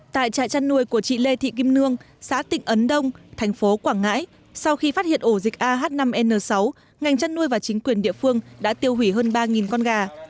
tại trại chăn nuôi của chị lê thị kim nương xã tịnh ấn đông thành phố quảng ngãi sau khi phát hiện ổ dịch ah năm n sáu ngành chăn nuôi và chính quyền địa phương đã tiêu hủy hơn ba con gà